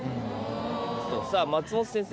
さぁ松本先生